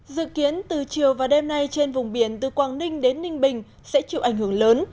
dự kiến từ chiều và đêm nay trên vùng biển từ quảng ninh đến ninh bình sẽ chịu ảnh hưởng lớn